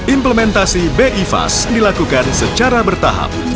implementasi bi fas dilakukan secara berjalan